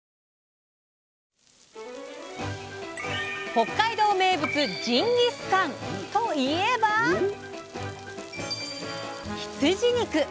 北海道名物ジンギスカン！といえば羊肉！